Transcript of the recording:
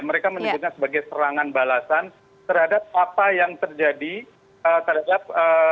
mereka menyebutnya sebagai serangan balasan terhadap apa yang terjadi terhadap